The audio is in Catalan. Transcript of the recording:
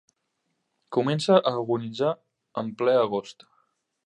Comença a agonitzar en ple agost.